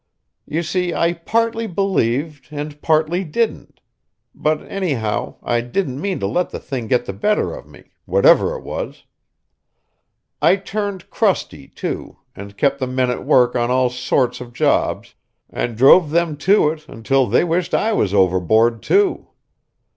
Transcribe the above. You see I partly believed and partly didn't; but anyhow I didn't mean to let the thing get the better of me, whatever it was. I turned crusty, too, and kept the men at work on all sorts of jobs, and drove them to it until they wished I was overboard, too.